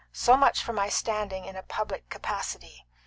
So much for my standing in a public capacity!